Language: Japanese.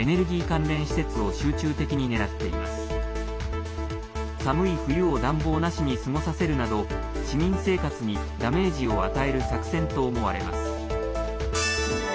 寒い冬を暖房なしに過ごさせるなど市民生活にダメージを与える作戦と思われます。